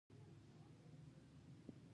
ما جګړن ته وکتل، چې جبار خان ته یې کتل.